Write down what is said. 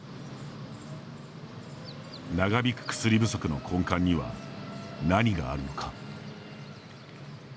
長引く薬不足の根幹には何があるのか。